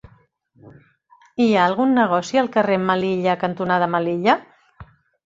Hi ha algun negoci al carrer Melilla cantonada Melilla?